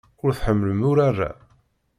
Ur tḥemmlem urar-a.